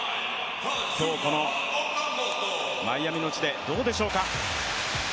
今日このマイアミの地でどうでしょうか。